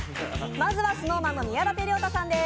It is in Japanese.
まずは、ＳｎｏｗＭａｎの宮舘涼太さんです。